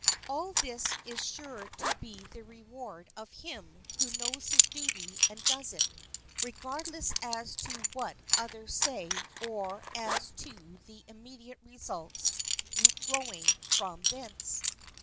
All this is sure to be the reward of him who knows his duty and does it, regardless as to what others say or as to the immediate results flowing from thence.